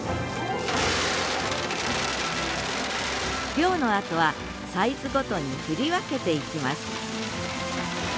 漁のあとはサイズごとに振り分けていきます